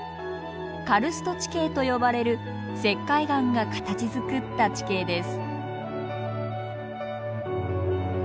カルスト地形と呼ばれる石灰岩が形づくった地形です。